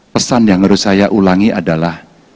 pesan yang harus saya ulangi adalah